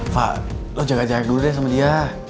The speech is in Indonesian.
fah lu jaga jaga dulu deh sama dia